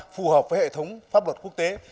phù hợp với hệ thống pháp luật quốc tế